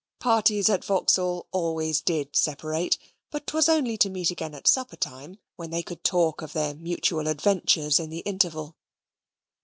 Parties at Vauxhall always did separate, but 'twas only to meet again at supper time, when they could talk of their mutual adventures in the interval.